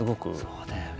そうだよね。